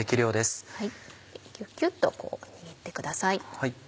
キュキュっと握ってください。